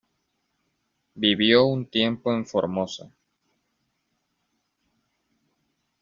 Vivió un tiempo en Formosa.